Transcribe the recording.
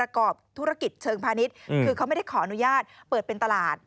คือเขาไม่ได้ขออนุญาตเปิดเป็นตลาด